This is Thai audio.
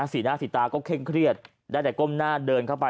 สีหน้าสีตาก็เคร่งเครียดได้แต่ก้มหน้าเดินเข้าไป